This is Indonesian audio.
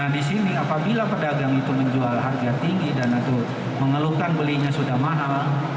nah disini apabila perdagang itu menjual harga tinggi dan atau mengeluhkan belinya sudah mahal